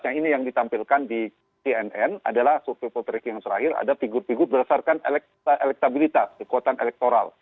yang ini yang ditampilkan di cnn adalah survei poltreking yang terakhir ada figur figur berdasarkan elektabilitas kekuatan elektoral